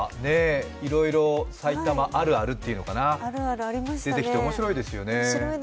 いろいろ埼玉あるあるっていうのかな、出てきて面白いですよね。